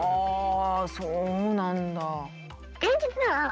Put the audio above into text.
そうなんだ。